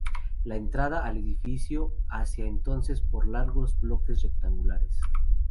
La entrada al edificio se hacía entonces por largos bloques rectangulares.